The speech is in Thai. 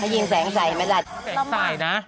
ยิงแสงใส่นะ